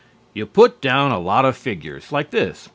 You put down a lot of figures, like this.